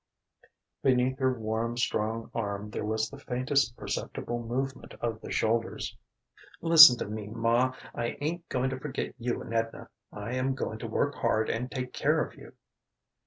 Beneath her warm, strong arm there was the faintest perceptible movement of the shoulders. "Listen to me, ma: I ain't going to forget you and Edna. I am going to work hard and take care of you."